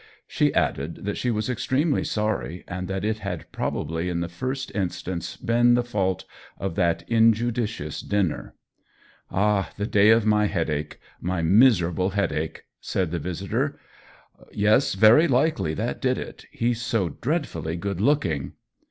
She added that she was ex tremely sorry, and that it had probably in the first instance been the fault of that inju dicious dinner. " Ah, the day of my headache — my mis erable headache ?" said her visitor. "Yes, very likely that did it. He's so dreadfully good looking."